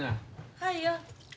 はいよ。